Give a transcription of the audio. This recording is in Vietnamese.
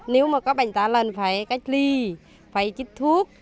nếu mà có bệnh tả lợn phải cách ly phải chích thuốc